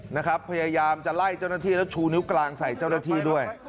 พยายามจะไล่เจ้าหน้าที่แล้วชูนิ้วกลางใส่เจ้าหน้าที่ด้วย